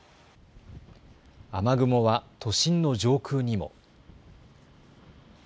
雨雲は都心の上空にも。